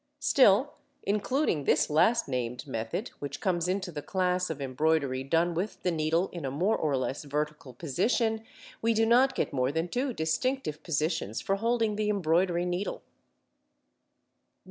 Still, including this last named method, which comes into the class of embroidery done with the needle in a more or less vertical position, we do not get more than two distinctive positions for holding the embroidery needle.